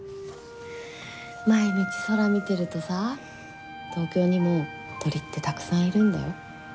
毎日空見てるとさ東京にも鳥ってたくさんいるんだよ。